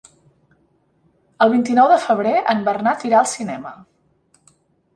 El vint-i-nou de febrer en Bernat irà al cinema.